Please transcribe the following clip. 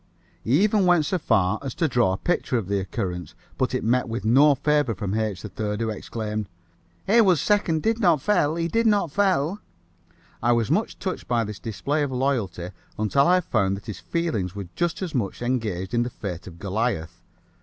He even went so far as to draw a picture of the occurrence, but it met with no favor from H. 3rd, who exclaimed, "Heywood second did not fell. He did not fell." I was much touched by this display of loyalty until I found that his feelings were just as much engaged in the fate of Goliath.